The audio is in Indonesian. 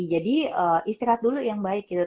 jadi istirahat dulu yang baik gitu